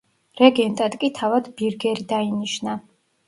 რეგენტად კი თავად ბირგერი დაინიშნა.